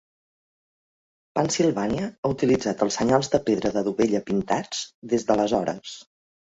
Pennsilvània ha utilitzat els senyals de pedra de dovella pintats des d'aleshores.